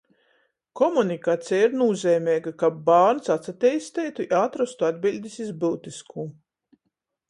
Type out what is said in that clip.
Komunikaceja ir nūzeimeiga, kab bārns atsateisteitu i atrostu atbiļdis iz byutiskū.